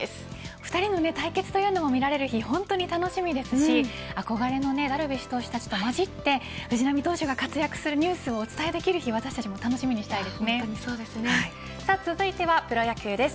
２人の対決というのも見られる日、本当に楽しみですし憧れのダルビッシュ投手たちとまじって藤浪投手が活躍するニュースをお伝えできる日続いてはプロ野球です。